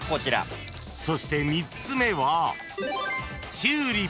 ［そして３つ目は］